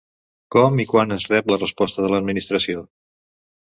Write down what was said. Com i quan es rep la resposta de l'Administració?